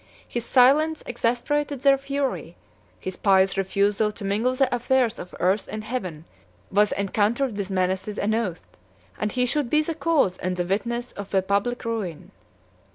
His silence exasperated their fury; his pious refusal to mingle the affairs of earth and heaven was encountered with menaces, and oaths, that he should be the cause and the witness of the public ruin.